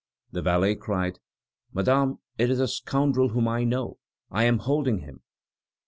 The valet cried: "Madame, it is a scoundrel whom I know; I am holding him."